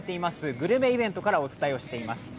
グルメイベントからお伝えしています。